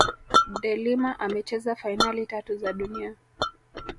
de Lima amecheza fainali tatu za dunia